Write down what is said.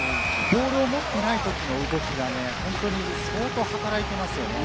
ボールを持ってない時の動きが本当に相当、働いていますよね。